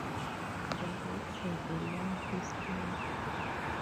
The works had a long history.